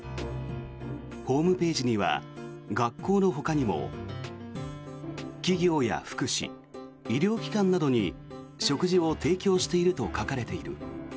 ホームページには学校のほかにも企業や福祉、医療機関などに食事を提供していると書かれている。